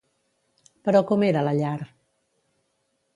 Però com era la llar?